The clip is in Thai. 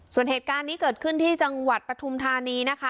ส่วนเหตุการณ์นี้เกิดขึ้นที่จังหวัดปฐุมธานีนะคะ